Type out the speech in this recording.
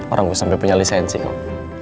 orang gue sampe punya lisensi kok